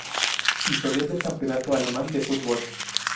Historial del Campeonato Alemán de fútbol